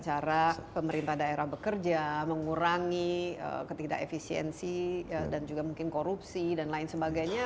cara pemerintah daerah bekerja mengurangi ketidak efisiensi dan juga mungkin korupsi dan lain sebagainya